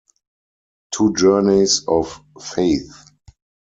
Two Journeys of Faith.